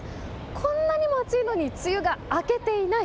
こんなにも暑いのに梅雨が明けていない。